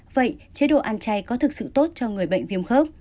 vậy chế độ ăn chay có thực sự tốt cho người bệnh viêm khớp